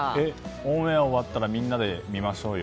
オンエア終わったらみんなで見ましょうよ。